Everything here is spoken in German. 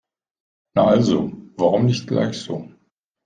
Na also, warum nicht gleich so?